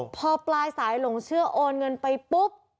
พอปลายสายหลงเชื่อโอนเงินไปปุ๊บ